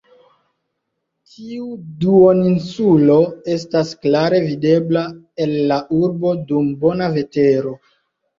Tiu duoninsulo estas klare videbla el la urbo dum bona vetero.